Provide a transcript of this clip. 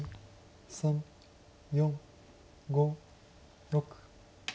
３４５６。